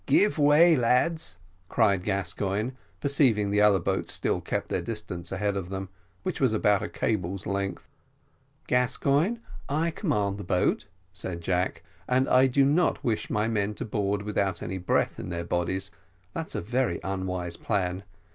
"Give way, my lads," cried Gascoigne, perceiving the other boats still kept their distance ahead of them, which was about a cable's length. "Gascoigne, I command the boat," said Jack, "and I do not wish my men to board without any breath in their bodies that's a very unwise plan.